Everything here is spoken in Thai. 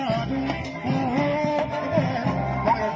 สวัสดีครับทุกคน